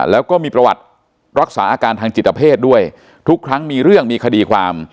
แล้วก็มีประวัติรักษาอาการทางจิตเพศด้วยทุกครั้งมีเรื่องมีคดีความ